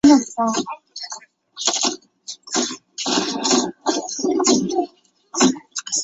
游戏复杂度可以用许多方法加以衡量。